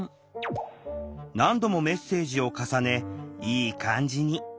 何度もメッセージを重ねいい感じに。